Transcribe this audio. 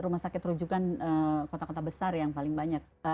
rumah sakit rujukan kota kota besar yang paling banyak